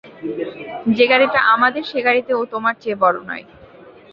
যে-গাড়িটা আমাদের, সে-গাড়িতে ও তোমার চেয়ে বড়ো নয়।